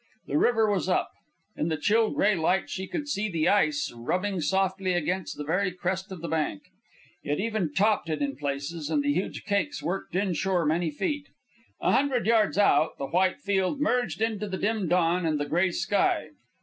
The river was up. In the chill gray light she could see the ice rubbing softly against the very crest of the bank; it even topped it in places, and the huge cakes worked inshore many feet. A hundred yards out the white field merged into the dim dawn and the gray sky.